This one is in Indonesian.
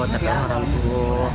tetapi orang tua